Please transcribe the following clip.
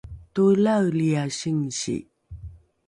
toelaeliae singsi